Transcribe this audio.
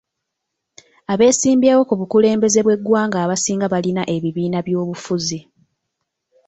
Abeesimbyewo ku bukulembeze bw'eggwanga abasinga balina ebibiina by'obufuzi.